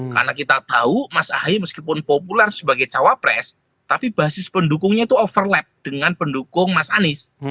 karena kita tahu mas ahy meskipun populer sebagai cawapres tapi basis pendukungnya itu overlap dengan pendukung mas anis